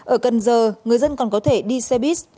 ở cần giờ người dân còn có thể đi xe buýt